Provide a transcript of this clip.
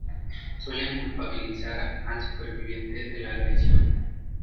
Suelen culpabilizar al superviviente de la agresión